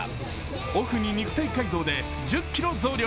オフに肉体改造で１０ｋｇ増量。